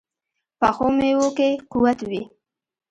پخو میوو کې قوت وي